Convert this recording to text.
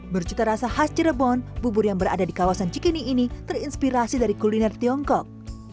bercita rasa khas cirebon bubur yang berada di kawasan cikini ini terinspirasi dari kuliner tiongkok